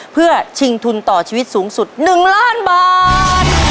เพื่อชิงทุนต่อชีวิตสูงสุด๑ล้านบาท